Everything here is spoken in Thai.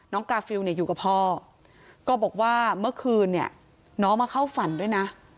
น้องกาฟิลอยู่กับพ่อก็บอกว่าเมื่อคืนนี้น้องมาเข้าฝันด้วยนะ